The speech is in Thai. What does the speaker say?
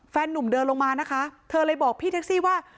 นุ่มเดินลงมานะคะเธอเลยบอกพี่แท็กซี่ว่า